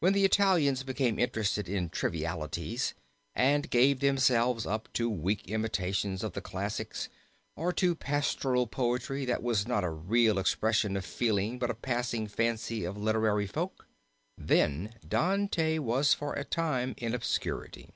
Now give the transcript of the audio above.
When the Italians became interested in trivialities and gave themselves up to weak imitations of the classics, or to pastoral poetry that was not a real expression of feeling but a passing fancy of literary folk, then Dante was for a time in obscurity.